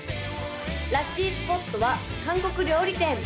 ラッキースポットは韓国料理店